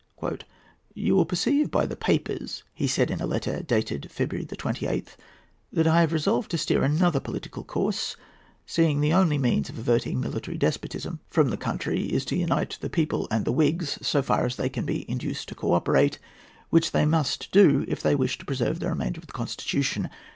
"You will perceive by the papers," he said in a letter dated February the 28th, "that I have resolved to steer another political course, seeing that the only means of averting military despotism from the country is to unite the people and the Whigs, so far as they can be induced to co operate, which they must do if they wish to preserve the remainder of the Constitution.